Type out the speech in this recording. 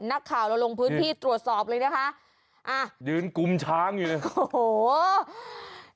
นักข่าวเราลงพื้นที่ตรวจสอบเลยนะคะอ่ะยืนกุมช้างอยู่เลยโอ้โห